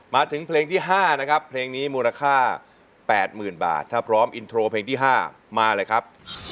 มาถึงเพลงที่๕นะครับเพลงนี้มูลค่า๘๐๐๐บาทถ้าพร้อมอินโทรเพลงที่๕มาเลยครับ